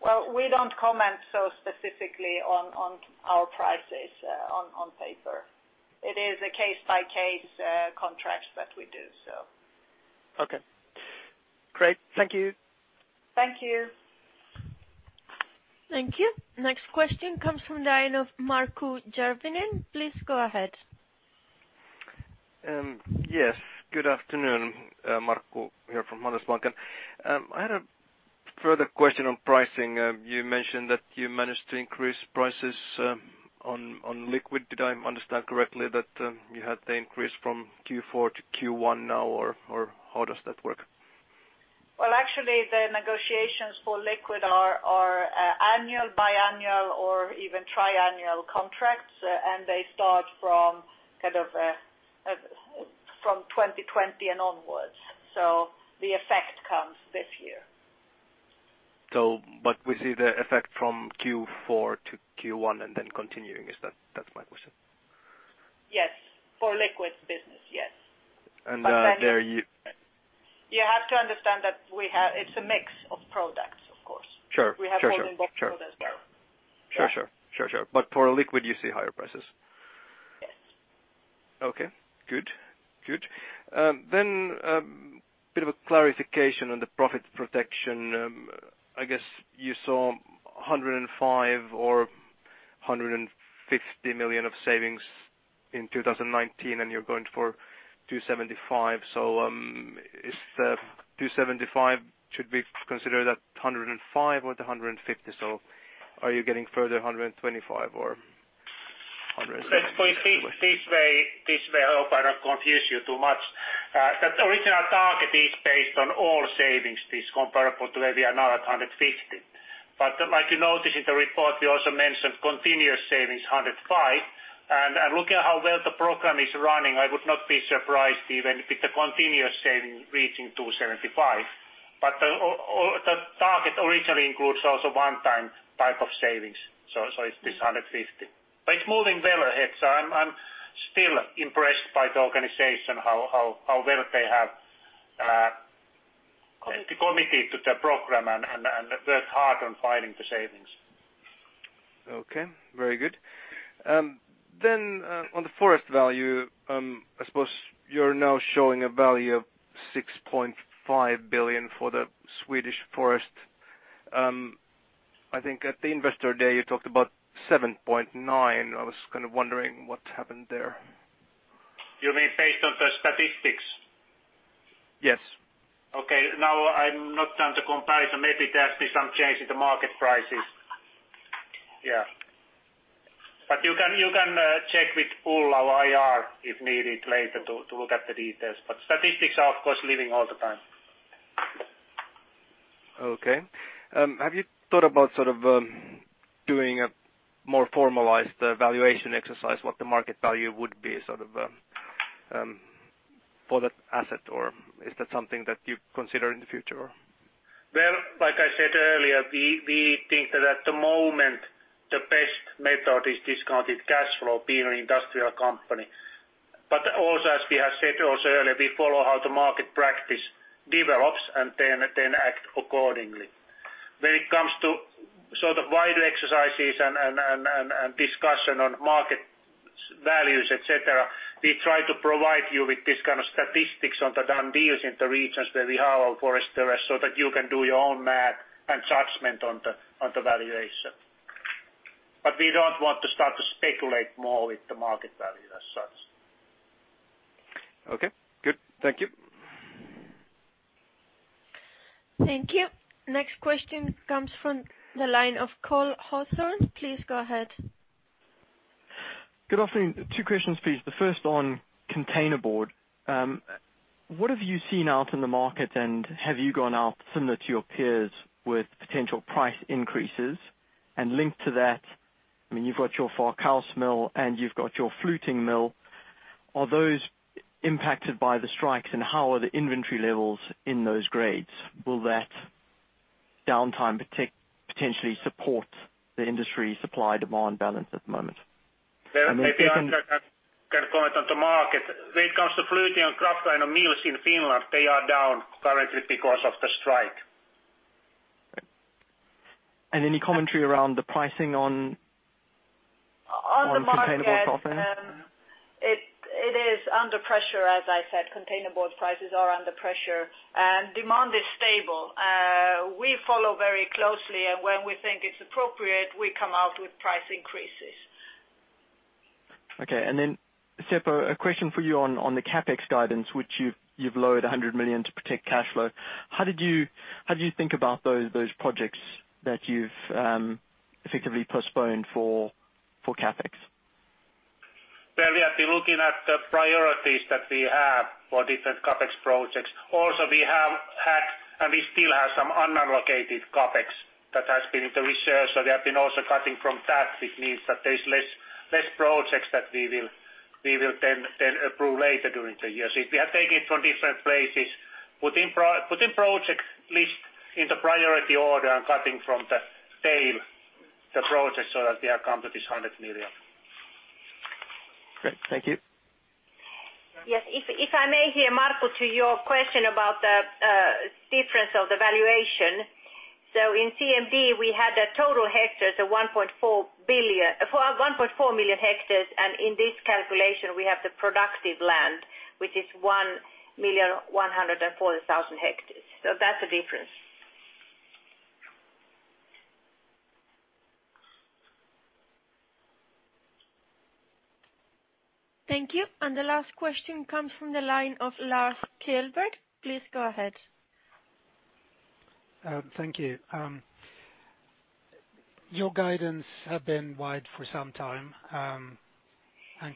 Well, we don't comment so specifically on our prices on paper. It is a case-by-case contract that we do. Okay. Great. Thank you. Thank you. Thank you. Next question comes from the line of Markku Järvinen. Please go ahead. Yes, good afternoon. Markku here from Handelsbanken. I had a further question on pricing. You mentioned that you managed to increase prices on liquid. Did I understand correctly that you had the increase from Q4 to Q1 now? How does that work? Well, actually, the negotiations for liquid are annual, biannual, or even triannual contracts, and they start from 2020 and onwards. The effect comes this year. We see the effect from Q4 to Q1 and then continuing. That's my question. Yes. For liquid business, yes. And there you- You have to understand that it's a mix of products, of course. Sure. We have folding box for that as well. Sure. For liquid, you see higher prices. Yes. Okay, good. Then bit of a clarification on the profit protection. I guess you saw 105 million or 150 million of savings in 2019, and you're going for 275 million. Is the 275 million should be considered at 105 million or the 150 million? Are you getting further 125 million or 170 million? This way, I hope I don't confuse you too much. That original target is based on all savings, this comparable to where we are now at 150. Like I mentioned in the report, we also mentioned continuous savings, 105. Looking at how well the program is running, I would not be surprised even with the continuous saving reaching 275. The target originally includes also one time type of savings. It's this 150. It's moving well ahead, so I'm still impressed by the organization, how well they have committed to the program and work hard on finding the savings. Okay, very good. Then on the forest value, I suppose you're now showing a value of 6.5 billion for the Swedish forest. I think at the Investor Day, you talked about 7.9 billion. I was kind of wondering what happened there. You mean based on the statistics? Yes. Okay. Now I'm not done the comparison. Maybe there has been some change in the market prices. You can check with our IR if needed later to look at the details. Statistics are, of course, living all the time. Okay. Have you thought about doing a more formalized valuation exercise, what the market value would be for that asset or is that something that you consider in the future? Well, like I said earlier, we think that at the moment the best method is Discounted Cash Flow, being an industrial company. Also as we have said also earlier, we follow how the market practice develops and then act accordingly. When it comes to wider exercises and discussion on market values, etc., we try to provide you with this kind of statistics on the done deals in the regions where we have our forest interests, so that you can do your own math and judgment on the valuation. We don't want to start to speculate more with the market value as such. Okay, good. Thank you. Thank you. Next question comes from the line of Cole Hathorn. Please go ahead. Good afternoon. Two questions, please. The first on containerboard. What have you seen out in the market, have you gone out similar to your peers with potential price increases? Linked to that, you've got your Varkaus Mill and you've got your Fluting Mill. Are those impacted by the strikes, and how are the inventory levels in those grades? Will that downtime potentially support the industry supply-demand balance at the moment? Maybe Annica can comment on the market. When it comes to Fluting and kraftliner mills in Finland, they are down currently because of the strike. And any commentary around the pricing- On the market. ...on containerboard? it is under pressure. As I said, containerboard prices are under pressure and demand is stable. We follow very closely and when we think it's appropriate, we come out with price increases. Okay. Seppo, a question for you on the CapEx guidance, which you've lowered 100 million to protect cash flow. How did you think about those projects that you've effectively postponed for CapEx? Well, we have been looking at the priorities that we have for different CapEx projects. Also we have had, and we still have some unallocated CapEx that has been in the research. We have been also cutting from that, which means that there's less projects that we will then approve later during the year. We have taken from different places, putting project list in the priority order and cutting from the tail the projects so that we have come to this 100 million. Great. Thank you. Yes. If I may here, Markku, to your question about the difference of the valuation. In CMD, we had a total hectares of 1.4 million hectares, and in this calculation, we have the productive land, which is 1,140,000 hectares so that's the difference. Thank you. And the last question comes from the line of Lars Kjellberg. Please go ahead. Thank you. Your guidance have been wide for some time.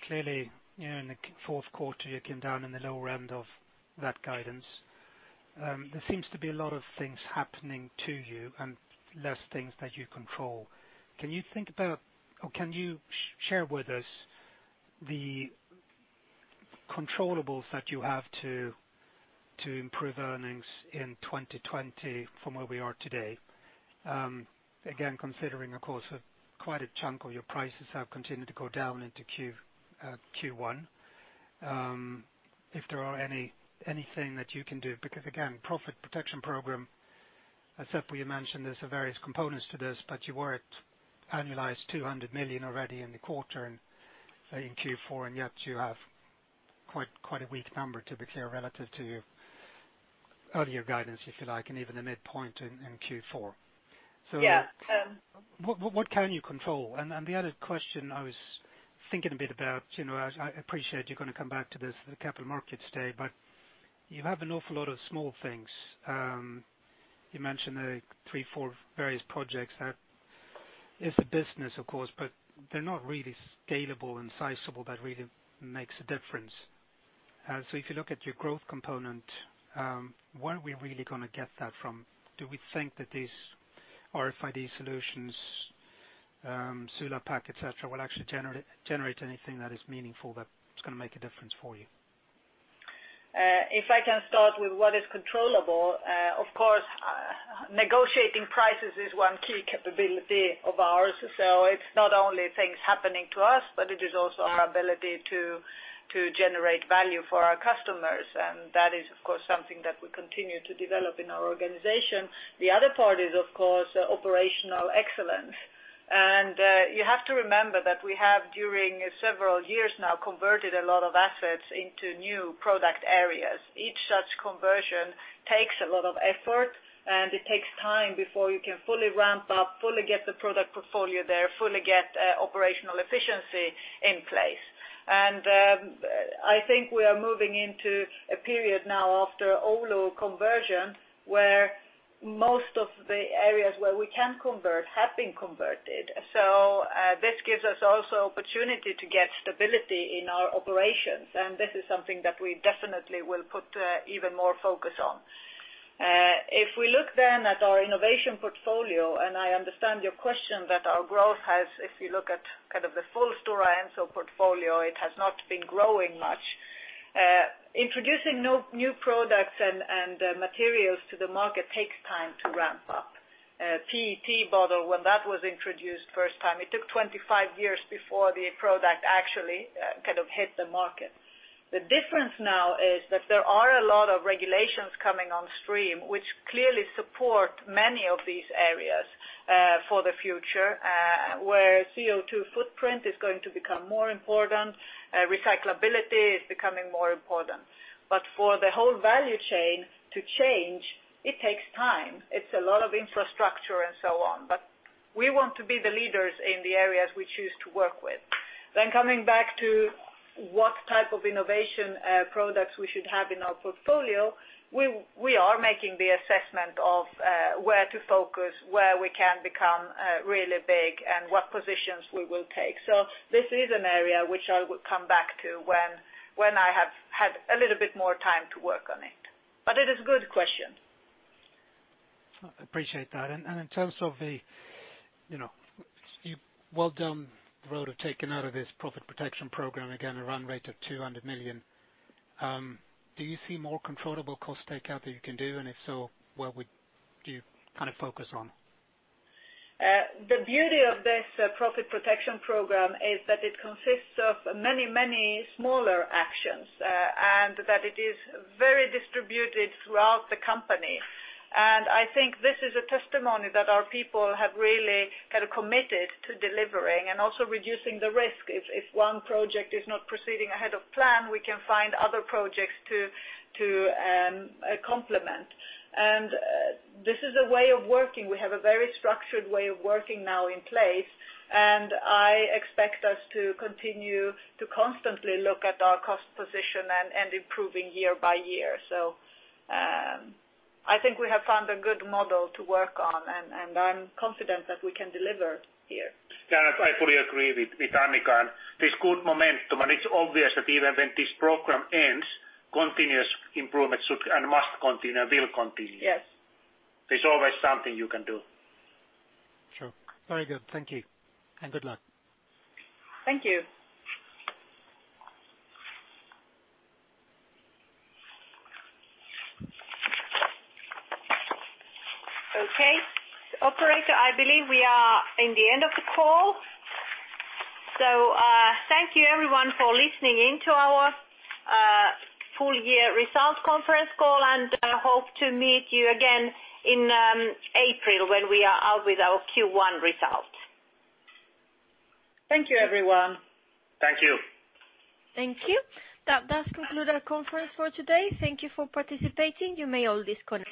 Clearly, in the fourth quarter, you came down in the lower end of that guidance. There seems to be a lot of things happening to you and less things that you control. Can you share with us the controllables that you have to improve earnings in 2020 from where we are today? Again, considering, of course, quite a chunk of your prices have continued to go down into Q1. If there are anything that you can do, profit protection program, as seppo, you mentioned, there's various components to this, but you were at annualized 200 million already in the quarter in Q4, and yet you have quite a weak number to be clear relative to your earlier guidance, if you like, and even the midpoint in Q4. Yeah. What can you control? The other question I was thinking a bit about, I appreciate you're going to come back to this at the Capital Markets Day, but you have an awful lot of small things. You mentioned three, four various projects. That is the business, of course, but they're not really scalable and sizable that really makes a difference. If you look at your growth component, where are we really going to get that from? Do we think that these RFID solutions, Sulapac, etc., will actually generate anything that is meaningful that's going to make a difference for you? If I can start with what is controllable, of course, negotiating prices is one key capability of ours and so it's not only things happening to us, but it is also our ability to generate value for our customers. That is, of course, something that we continue to develop in our organization. The other part is, of course, operational excellence. And you have to remember that we have during several years now, converted a lot of assets into new product areas. Each such conversion takes a lot of effort, and it takes time before you can fully ramp up, fully get the product portfolio there, fully get operational efficiency in place. I think we are moving into a period now after Oulu conversion, where most of the areas where we can convert have been converted. So this gives us also opportunity to get stability in our operations, and this is something that we definitely will put even more focus on. If we look then at our innovation portfolio, and I understand your question that our growth has, if you look at the full Stora Enso portfolio, it has not been growing much. Introducing new products and materials to the market takes time to ramp up. PET bottle, when that was introduced first time, it took 25 years before the product actually hit the market. The difference now is that there are a lot of regulations coming on stream, which clearly support many of these areas for the future, where CO2 footprint is going to become more important, recyclability is becoming more important but for the whole value chain to change, it takes time. It's a lot of infrastructure and so on but we want to be the leaders in the areas we choose to work with. Coming back to what type of innovation products we should have in our portfolio, we are making the assessment of where to focus, where we can become really big, and what positions we will take. So this is an area which I would come back to when I have had a little bit more time to work on it but it is a good question. Appreciate that. In terms of the, you're well down the road of taking out profit protection program, again, a run rate of 200 million. Do you see more controllable cost takeout that you can do? If so, where would you focus on? The beauty of this profit protection program is that it consists of many, many smaller actions, and that it is very distributed throughout the company. I think this is a testimony that our people have really committed to delivering and also reducing the risk. If one project is not proceeding ahead of plan, we can find Other projects to complement and this is a way of working. We have a very structured way of working now in place, and I expect us to continue to constantly look at our cost position and improving year by year. I think we have found a good model to work on, and I'm confident that we can deliver here. Ulla, I fully agree with Annica. This good momentum, and it's obvious that even when this program ends, continuous improvement should and must continue, will continue. Yes. There's always something you can do. Sure. Very good. Thank you and good luck. Thank you. Okay, operator, I believe we are in the end of the call so thank you everyone for listening in to our full year results conference call, and hope to meet you again in April when we are out with our Q1 results. Thank you, everyone. Thank you. Thank you. That does conclude our conference for today. Thank you for participating. You may all disconnect.